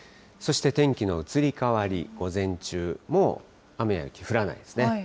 そして天気の移り変わり、午前中、もう雨や雪降らないですね。